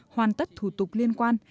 hoàn tất thủ tục liên quan